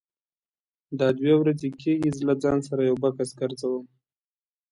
دا دوه ورځې کېږي زه له ځان سره یو بکس ګرځوم.